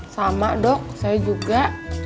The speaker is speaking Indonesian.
sama dok saya juga